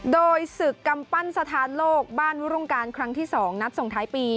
โดยศึกกำปั้นสถานโลกบ้านวรงการครั้งที่๒นัดส่งท้ายปี